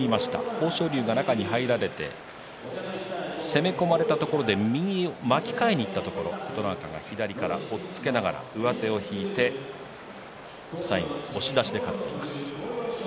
豊昇龍が中に入られて攻め込まれたところで右、巻き替えにいったところを琴ノ若が左から押っつけながら上手を引いて最後、押し出しで勝っています。